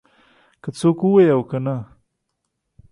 که څوک ووايي او که نه.